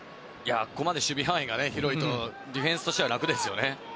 ここまで守備範囲が広いとディフェンスとしては楽ですよね。